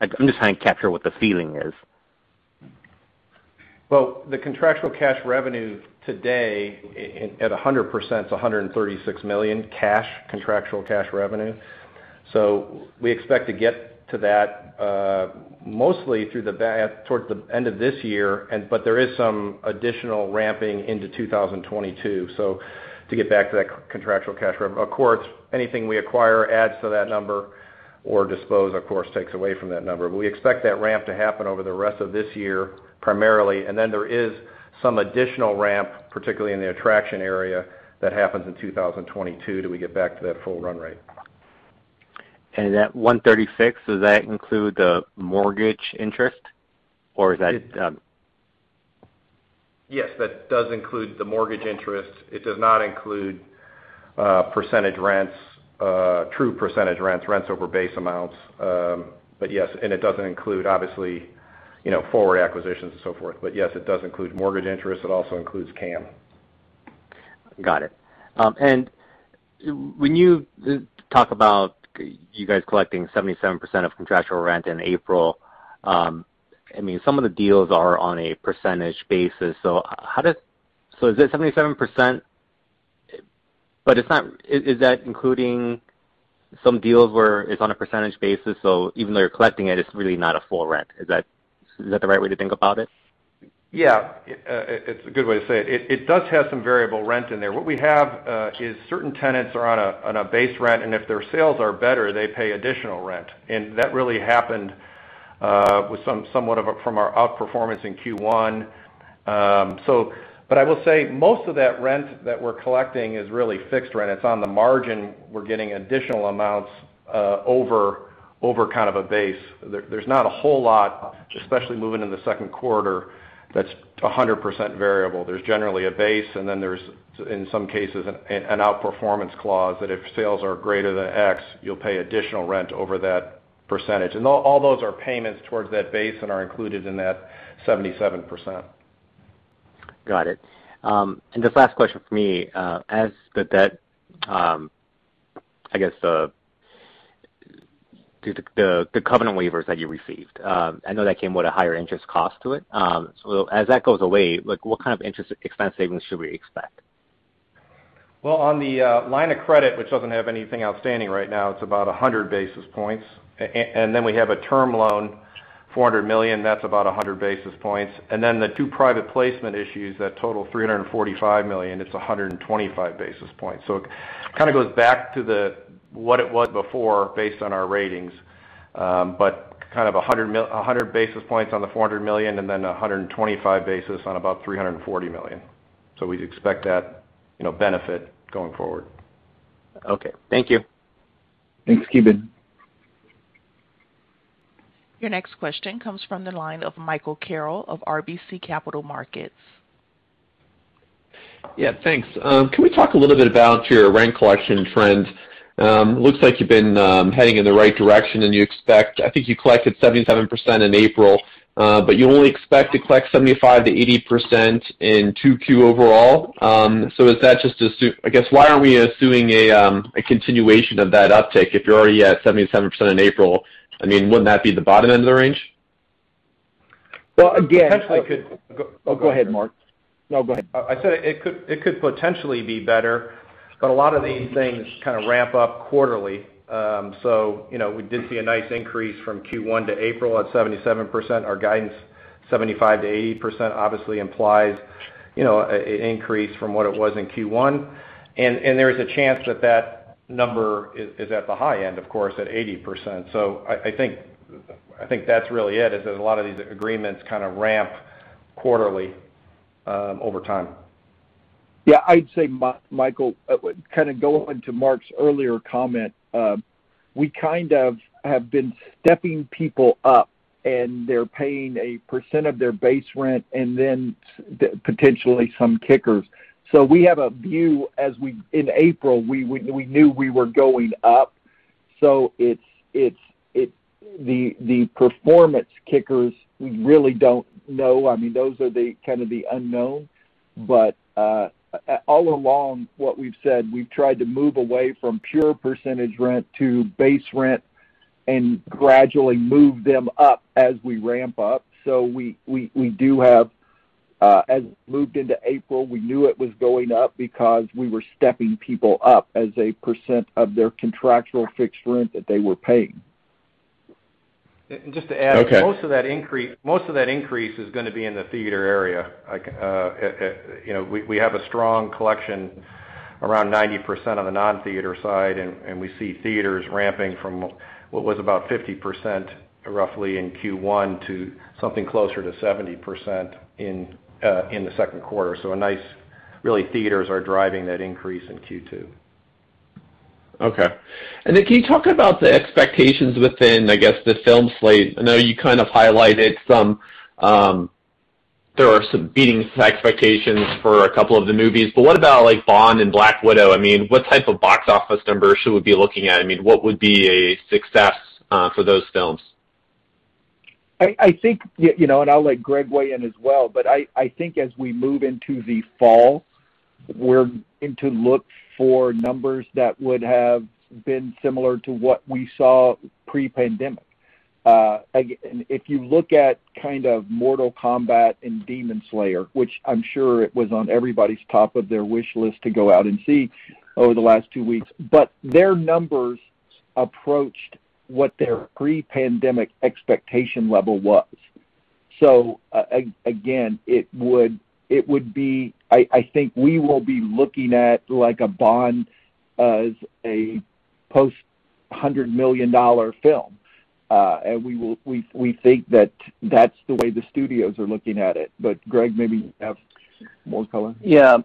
I'm just trying to capture what the feeling is. The contractual cash revenue today at 100% is $136 million, cash contractual cash revenue. We expect to get to that mostly towards the end of this year, but there is some additional ramping into 2022. To get back to that contractual cash revenue. Of course, anything we acquire adds to that number or dispose, of course, takes away from that number. We expect that ramp to happen over the rest of this year, primarily. There is some additional ramp, particularly in the attraction area, that happens in 2022 till we get back to that full run rate. That 136, does that include the mortgage interest, or is that-? Yes, that does include the mortgage interest. It does not include true percentage rents over base amounts. Yes, and it doesn't include, obviously, forward acquisitions and so forth. Yes, it does include mortgage interest. It also includes CAM. Got it. When you talk about you guys collecting 77% of contractual rent in April, some of the deals are on a percentage basis. Is that 77%? Is that including some deals where it's on a percentage basis, so even though you're collecting it's really not a full rent. Is that the right way to think about it? Yeah. It's a good way to say it. It does have some variable rent in there. What we have is certain tenants are on a base rent, and if their sales are better, they pay additional rent. That really happened with somewhat from our outperformance in Q1. I will say most of that rent that we're collecting is really fixed rent. It's on the margin, we're getting additional amounts over kind of a base. There's not a whole lot, especially moving into the second quarter, that's 100% variable. There's generally a base, and then there's, in some cases, an outperformance clause that if sales are greater than X, you'll pay additional rent over that percentage. All those are payments towards that base and are included in that 77%. Got it. This last question from me. As the covenant waivers that you received, I know that came with a higher interest cost to it. As that goes away, what kind of interest expense savings should we expect? Well, on the line of credit, which doesn't have anything outstanding right now, it's about 100 basis points. We have a term loan, $400 million, that's about 100 basis points. The two private placement issues that total $345 million, it's 125 basis points. It kind of goes back to what it was before based on our ratings. Kind of 100 basis points on the $400 million and then 125 basis on about $340 million. We'd expect that benefit going forward. Okay. Thank you. Thanks, Ki Bin. Your next question comes from the line of Michael Carroll of RBC Capital Markets. Yeah, thanks. Can we talk a little bit about your rent collection trends? Looks like you've been heading in the right direction, and I think you collected 77% in April. You only expect to collect 75%-80% in Q2 overall. I guess why aren't we assuming a continuation of that uptick if you're already at 77% in April? Wouldn't that be the bottom end of the range? Well. Potentially could. Oh, go ahead, Mark. No, go ahead. I said it could potentially be better, but a lot of these things kind of ramp up quarterly. We did see a nice increase from Q1 to April at 77%. Our guidance, 75%-80%, obviously implies an increase from what it was in Q1. There is a chance that that number is at the high end, of course, at 80%. I think that's really it, is that a lot of these agreements kind of ramp quarterly over time. I'd say, Michael, kind of going into Mark's earlier comment, we kind of have been stepping people up, and they're paying a percent of their base rent, and then potentially some kickers. We have a view, in April, we knew we were going up. The performance kickers, we really don't know. Those are kind of the unknown. All along, what we've said, we've tried to move away from pure percentage rent to base rent and gradually move them up as we ramp up. As we moved into April, we knew it was going up because we were stepping people up as a percent of their contractual fixed rent that they were paying. And just to add- Okay Most of that increase is going to be in the theater area. We have a strong collection around 90% on the non-theater side, and we see theaters ramping from what was about 50%, roughly in Q1, to something closer to 70% in the second quarter. Really theaters are driving that increase in Q2. Okay. Then can you talk about the expectations within, I guess, the film slate? I know you kind of highlighted there are some beating expectations for a couple of the movies, but what about like "Bond" and "Black Widow?" What type of box office numbers should we be looking at? What would be a success for those films? I'll let Greg weigh in as well. I think as we move into the fall, we're going to look for numbers that would have been similar to what we saw pre-pandemic. Again, if you look at kind of Mortal Kombat and Demon Slayer, which I'm sure it was on everybody's top of their wish list to go out and see over the last two weeks, but their numbers approached what their pre-pandemic expectation level was. Again, I think we will be looking at like a Bond as a post-$100 million film. We think that that's the way the studios are looking at it. Greg, maybe you have more color.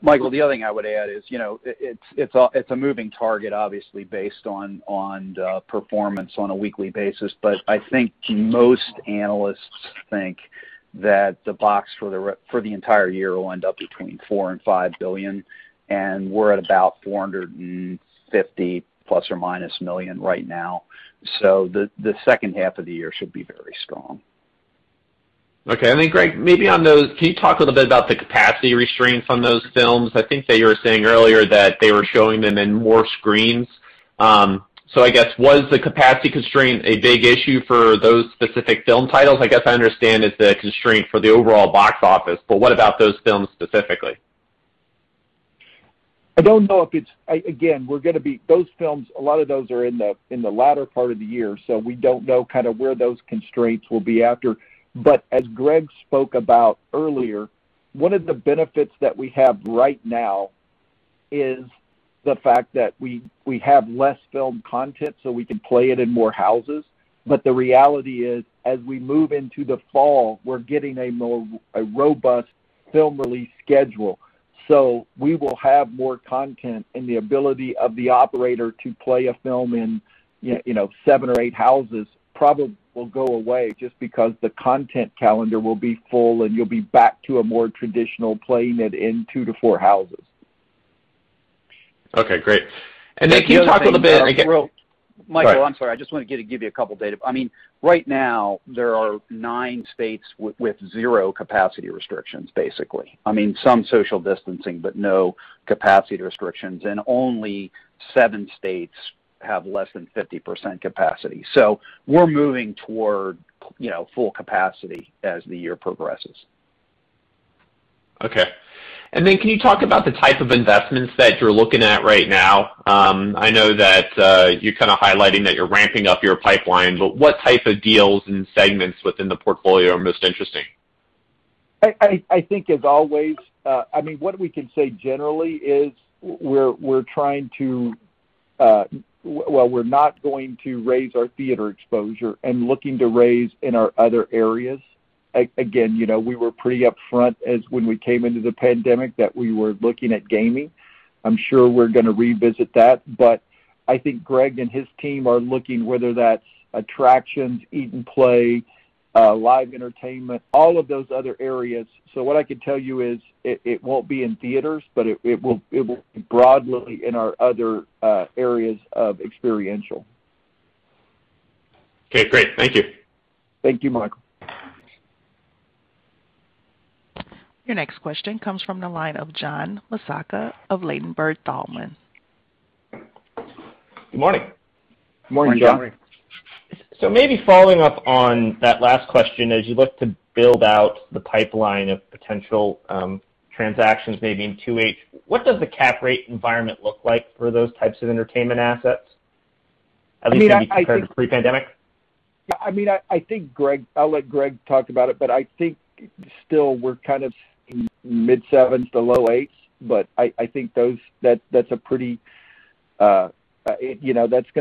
Michael, the other thing I would add is, it's a moving target, obviously, based on performance on a weekly basis. I think most analysts think that the box for the entire year will end up between $4 billion and $5 billion, we're at about ±$450 million right now. The second half of the year should be very strong. Okay. I think, Greg, maybe on those, can you talk a little bit about the capacity restraints on those films? I think that you were saying earlier that they were showing them in more screens. I guess, was the capacity constraint a big issue for those specific film titles? I guess I understand it's the constraint for the overall box office, but what about those films specifically? I don't know. Again, those films, a lot of those are in the latter part of the year, so we don't know kind of where those constraints will be after. As Greg spoke about earlier, one of the benefits that we have right now is the fact that we have less film content, so we can play it in more houses. The reality is, as we move into the fall, we're getting a robust film release schedule. We will have more content, and the ability of the operator to play a film in seven or eight houses probably will go away, just because the content calendar will be full, and you'll be back to a more traditional playing it in two to four houses. Okay, great. Can you talk a little bit. Michael, I'm sorry. I just wanted to give you a couple data. Right now, there are nine states with zero capacity restrictions, basically. Some social distancing, but no capacity restrictions, and only seven states have less than 50% capacity. We're moving toward full capacity as the year progresses. Okay. Then can you talk about the type of investments that you're looking at right now? I know that you're kind of highlighting that you're ramping up your pipeline, what type of deals and segments within the portfolio are most interesting? I think, as always, what we can say generally is we're not going to raise our theater exposure and looking to raise in our other areas. We were pretty upfront as when we came into the pandemic that we were looking at gaming. I'm sure we're going to revisit that. I think Greg and his team are looking whether that's attractions, eat and play, live entertainment, all of those other areas. What I can tell you is, it won't be in theaters, but it will be broadly in our other areas of experiential. Okay, great. Thank you. Thank you, Michael. Your next question comes from the line of Jon LaSalla of Ladenburg Thalmann. Good morning. Morning, Jon. Morning. Maybe following up on that last question, as you look to build out the pipeline of potential transactions, maybe in H2, what does the cap rate environment look like for those types of entertainment assets, at least when you compare it to pre-pandemic? I'll let Greg talk about it, but I think still we're kind of mid sevens to low eights. I think that's going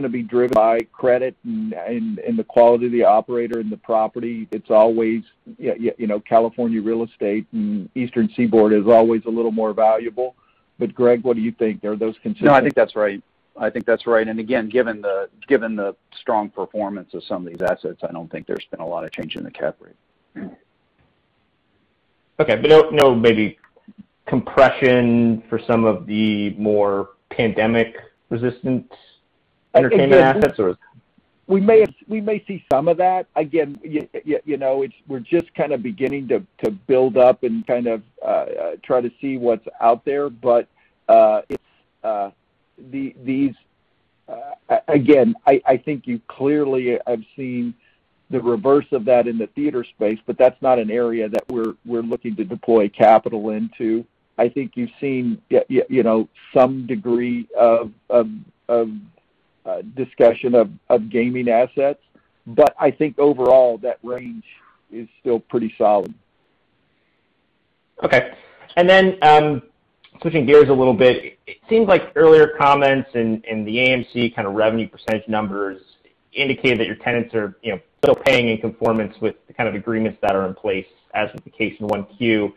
to be driven by credit and the quality of the operator and the property. California real estate and Eastern Seaboard is always a little more valuable. Greg, what do you think? Are those consistent? No, I think that's right. I think that's right, and again, given the strong performance of some of these assets, I don't think there's been a lot of change in the cap rate. Okay. No compression for some of the more pandemic-resistant entertainment assets? We may see some of that. We're just kind of beginning to build up and kind of try to see what's out there. I think you clearly have seen the reverse of that in the theater space, but that's not an area that we're looking to deploy capital into. I think you've seen some degree of discussion of gaming assets. I think overall, that range is still pretty solid. Okay. Then, switching gears a little bit. It seems like earlier comments in the AMC kind of revenue percentage numbers indicated that your tenants are still paying in conformance with the kind of agreements that are in place, as was the case in Q1.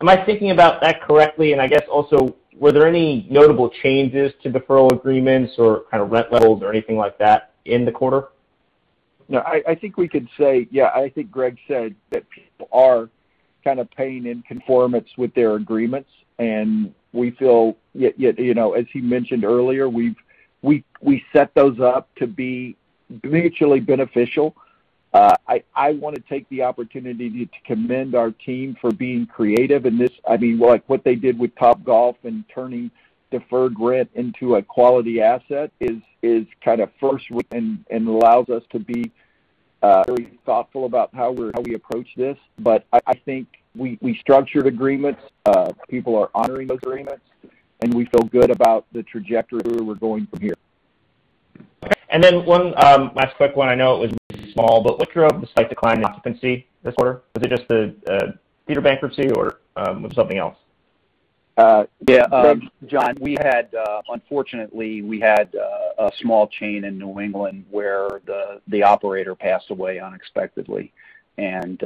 Am I thinking about that correctly? I guess also, were there any notable changes to deferral agreements or kind of rent levels or anything like that in the quarter? No. I think Greg said that people are kind of paying in conformance with their agreements, and as he mentioned earlier, we set those up to be mutually beneficial. I want to take the opportunity to commend our team for being creative in this. What they did with Topgolf and turning deferred rent into a quality asset is kind of first rate and allows us to be very thoughtful about how we approach this. I think we structured agreements, people are honoring those agreements, and we feel good about the trajectory we're going from here. Okay. One last quick one. I know it was small, but Litra, despite the decline in occupancy this quarter, was it just the theater bankruptcy or was it something else? Yeah. Jon, unfortunately, we had a small chain in New England where the operator passed away unexpectedly, and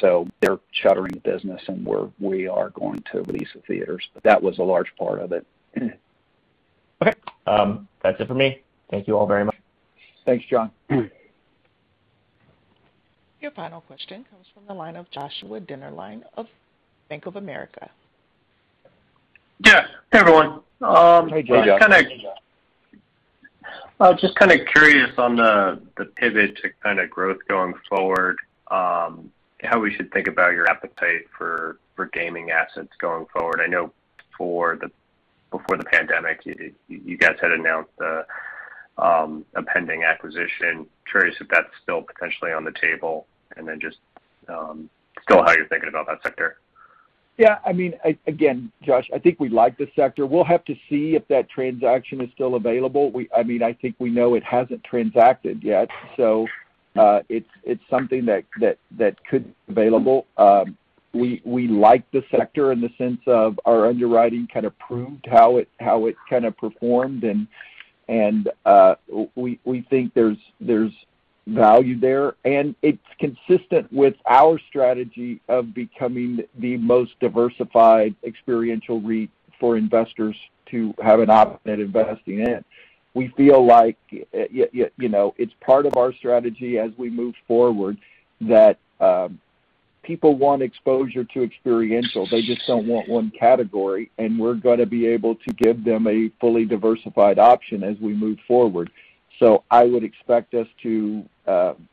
so they're shuttering the business, and we are going to release the theaters. That was a large part of it. Okay. That's it for me. Thank you all very much. Thanks, Jon. Your final question comes from the line of Joshua Dennerlein of Bank of America. Yeah. Hey, everyone. Hey, Josh. Hey, Josh. I was just kind of curious on the pivot to kind of growth going forward, how we should think about your appetite for gaming assets going forward. I know before the pandemic, you guys had announced a pending acquisition. Curious if that's still potentially on the table, and then just still how you're thinking about that sector. Yeah. Again, Josh, I think we like the sector. We'll have to see if that transaction is still available. I think we know it hasn't transacted yet, so it's something that could be available. We like the sector in the sense of our underwriting kind of proved how it kind of performed, and we think there's value there, and it's consistent with our strategy of becoming the most diversified experiential REIT for investors to have an option at investing in. We feel like it's part of our strategy as we move forward that people want exposure to experiential. They just don't want one category, and we're going to be able to give them a fully diversified option as we move forward. I would expect us to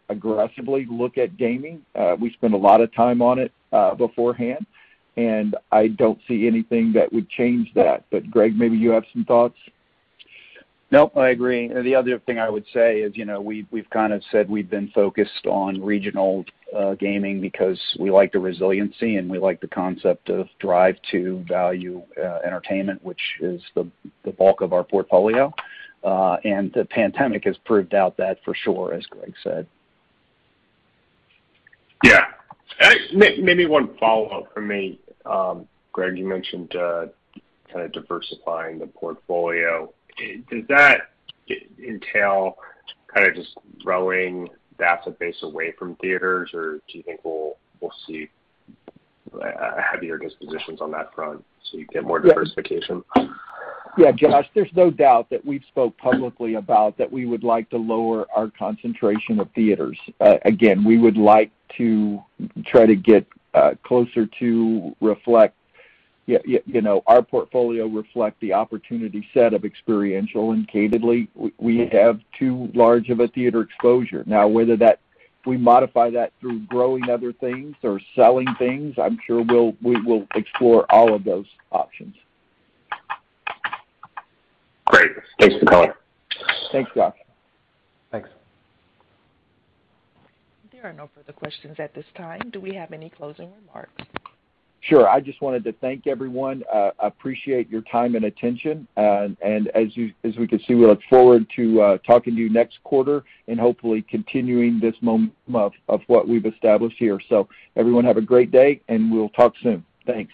aggressively look at gaming. We spent a lot of time on it beforehand. I don't see anything that would change that. Greg, maybe you have some thoughts. Nope, I agree. The other thing I would say is we've kind of said we've been focused on regional gaming because we like the resiliency, and we like the concept of drive to value entertainment, which is the bulk of our portfolio. The pandemic has proved out that for sure, as Greg said. Yeah. Maybe one follow-up from me. Greg, you mentioned kind of diversifying the portfolio. Does that entail kind of just growing the asset base away from theaters, or do you think we'll see heavier dispositions on that front so you get more diversification? Yeah, Josh, there's no doubt that we've spoke publicly about that we would like to lower our concentration of theaters. We would like to try to get closer to our portfolio reflect the opportunity set of experiential, and candidly, we have too large of a theater exposure. Whether we modify that through growing other things or selling things, I'm sure we will explore all of those options. Great. Thanks for the color. Thanks, Josh. Thanks. There are no further questions at this time. Do we have any closing remarks? Sure. I just wanted to thank everyone. Appreciate your time and attention, as we can see, we look forward to talking to you next quarter and hopefully continuing this momentum of what we've established here. Everyone have a great day, and we'll talk soon. Thanks.